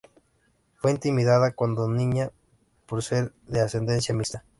Fue intimidada cuando niña por ser de ascendencia mixta.